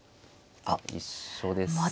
全く一緒ですね。